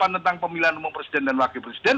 tentang pemilihan umum presiden dan wakil presiden